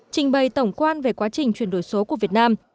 trình bày tổng quan về quá trình chuyển đổi số của việt nam